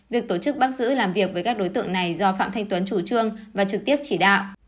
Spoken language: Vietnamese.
việc tổ chức bắt giữ làm việc với các đối tượng này do phạm thanh tuấn chủ trương và trực tiếp chỉ đạo